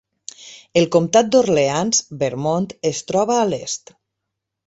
El comtat d'Orleans, Vermont, es troba a l'est.